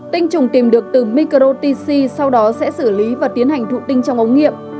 tinh trùng tìm được từ microtc sau đó sẽ xử lý và tiến hành thụ tinh trong ống nghiệm